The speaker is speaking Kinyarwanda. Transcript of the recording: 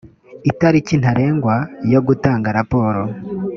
itariki ntarengwa yo gutanga raporo